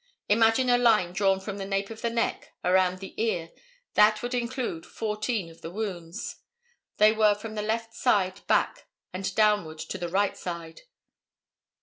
Imagine a line drawn from the nape of the neck around the ear. That would include fourteen of the wounds. They were from the left side back and downward to the right side.